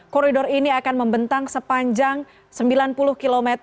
koridor ini akan membentang sepanjang sembilan puluh km